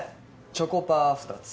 チョコパ２つ。